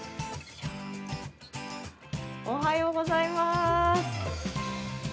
おはようございまーす。